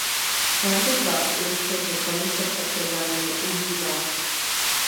Rád bych vás ujistil, že Komise před problémy neuhýbá.